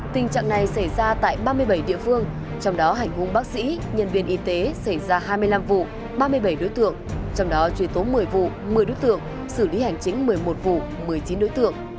tình trạng này xảy ra tại ba mươi bảy địa phương trong đó hành hung bác sĩ nhân viên y tế xảy ra hai mươi năm vụ ba mươi bảy đối tượng trong đó truy tố một mươi vụ một mươi đối tượng xử lý hành chính một mươi một vụ một mươi chín đối tượng